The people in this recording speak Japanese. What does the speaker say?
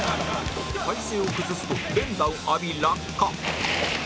体勢を崩すと連打を浴び落下